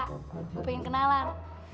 gua pengen kenalan